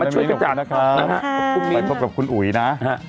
มาช่วยกันจังนะคะคุณมิ้นต์มาพบกับคุณอุ๋ยนะ